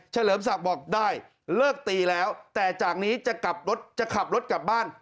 เลิมศักดิ์บอกได้เลิกตีแล้วแต่จากนี้จะกลับรถจะขับรถกลับบ้าน